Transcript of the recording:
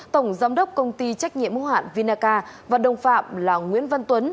tổng giám đốc công ty trách nhiệm hữu hạn vinaca và đồng phạm là nguyễn văn tuấn